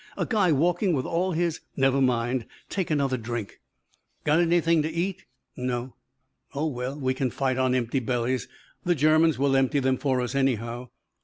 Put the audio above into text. A guy walking with all his " "Never mind. Take another drink." "Got anything to eat?" "No." "Oh, well, we can fight on empty bellies. The Germans will empty them for us anyhow."